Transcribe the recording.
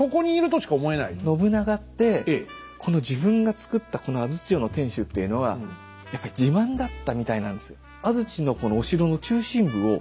信長ってこの自分がつくったこの安土城の天主というのはやっぱり自慢だったみたいなんです。